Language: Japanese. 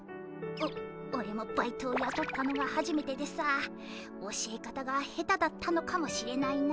おおれもバイトをやとったのがはじめてでさ教え方が下手だったのかもしれないな。